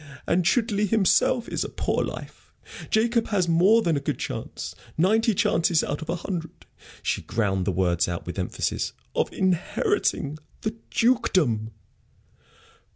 And Chudleigh himself is a poor life. Jacob has more than a good chance ninety chances out of a hundred" she ground the words out with emphasis "of inheriting the dukedom."